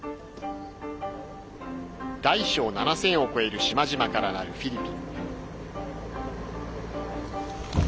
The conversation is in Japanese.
大小７０００を超える島々からなるフィリピン。